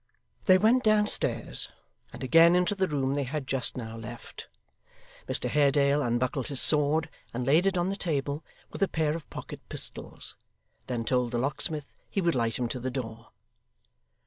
They went downstairs, and again into the room they had just now left. Mr Haredale unbuckled his sword and laid it on the table, with a pair of pocket pistols; then told the locksmith he would light him to the door.